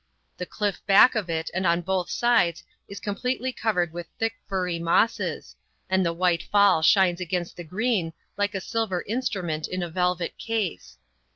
The cliff back of it and on both sides is completely covered with thick, furry mosses, and the white fall shines against the green like a silver instrument in a velvet case.